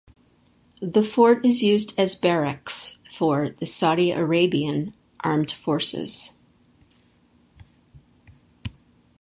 The fort is used as barracks for the Saudi Arabian Armed Forces.